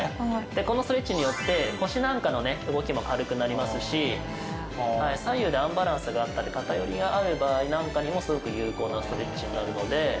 でこのストレッチによって腰なんかのね動きも軽くなりますし左右でアンバランスがあったり偏りがある場合なんかにもすごく有効なストレッチになるので。